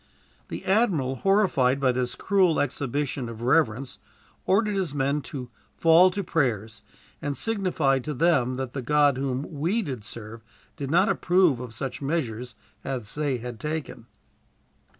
The admiral, horrified by this cruel exhibition of reverence, ordered his men to fall to prayers; and signified to them that the God whom we did serve did not approve of such measures as they had taken.